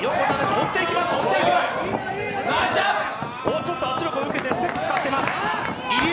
ちょっと圧力を受けて、ステップ使ってます。